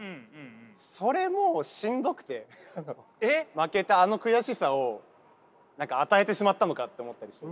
負けたあの悔しさを与えてしまったのかって思ったりして。